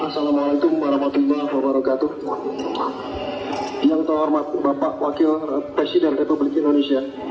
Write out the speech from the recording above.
selamat kembali ke pembinaan bapak selama menjadi wakil presiden republik indonesia